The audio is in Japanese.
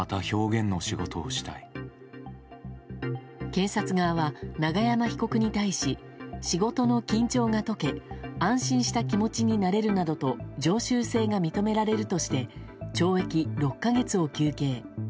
検察側は、永山被告に対し仕事の緊張が解け安心した気持ちになれるなどと常習性が認められるとして懲役６か月を求刑。